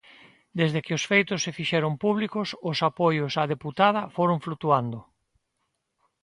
Desde que os feitos se fixeron públicos, os apoios á deputada foron flutuando.